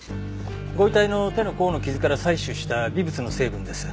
ご遺体の手の甲の傷から採取した微物の成分です。